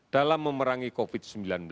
dalam memerangi covid sembilan belas